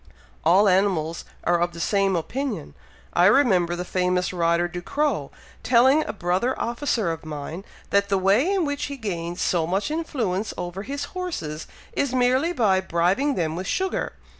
"All animals are of the same opinion. I remember the famous rider, Ducrow, telling a brother officer of mine, that the way in which he gains so much influence over his horses, is merely by bribing them with sugar.